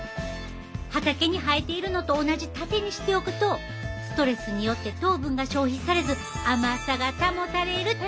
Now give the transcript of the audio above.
畑に生えているのと同じ縦にしておくとストレスによって糖分が消費されず甘さが保たれるっちゅうわけ。